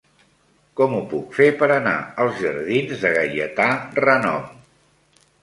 Com ho puc fer per anar als jardins de Gaietà Renom?